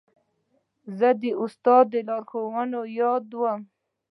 زه د استاد لارښوونې یادوم.